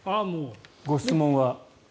ご質問は？